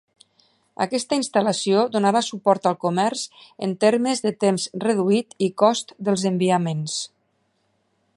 Aquesta instal·lació donarà suport al comerç en termes de temps reduït i cost dels enviaments.